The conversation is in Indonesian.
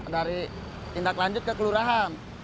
tindaklanjut ke kelurahan